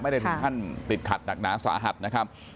ไม่ได้ถึงขั้นติดขัดหนักหนาสาหัสนะครับ